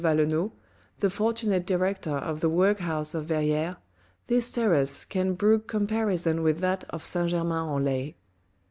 Valenod, the fortunate Director of the workhouse of Verrieres, this terrace can brook comparison with that of Saint Germain en Laye.